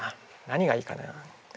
何がいいかな。